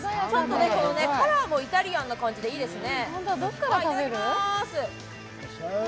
カラーもイタリアンな感じでいいですよ。